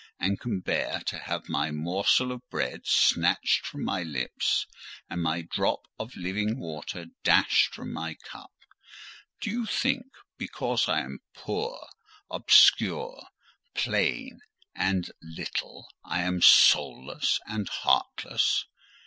and can bear to have my morsel of bread snatched from my lips, and my drop of living water dashed from my cup? Do you think, because I am poor, obscure, plain, and little, I am soulless and heartless?